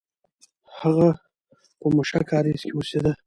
هغه په موشک کارېز کې اوسېده.